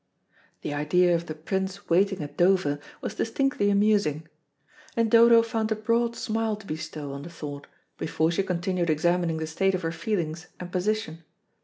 The idea of the Prince waiting at Dover was distinctly amusing, and Dodo found a broad smile to bestow on the thought before she continued examining the state of her feelings and position.